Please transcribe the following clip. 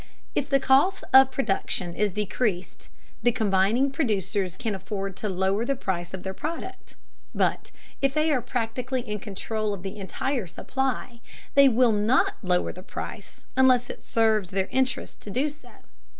If the cost of production is decreased the combining producers can afford to lower the price of their product. But if they are practically in control of the entire supply, they will not lower the price unless it serves their interests to do so.